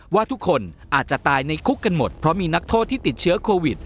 ว่าทุกคนอาจจะตายในคุกกันหมดเพราะมีนักโทษที่ติดเชื้อโควิด